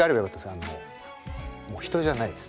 あのもう人じゃないです。